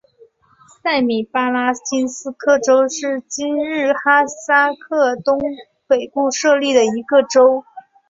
塞米巴拉金斯克州在今日哈萨克东北部设立的一个州。